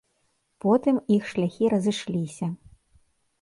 Потым іх шляхі разышліся.